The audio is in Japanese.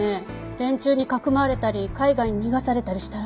連中にかくまわれたり海外に逃がされたりしたら。